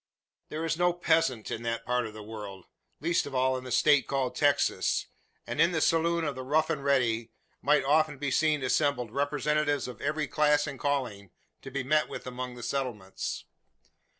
There is no peasant in that part of the world least of all in the state called Texas; and in the saloon of "Rough and Ready" might often be seen assembled representatives of every class and calling to be met with among the settlements.